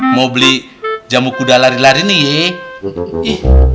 mau beli jamu kuda lari lari nih